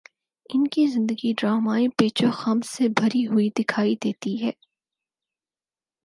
ان کی زندگی ڈرامائی پیچ و خم سے بھری ہوئی دکھائی دیتی ہے